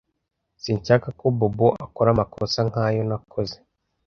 Sinshaka ko Bobo akora amakosa nkayo nakoze.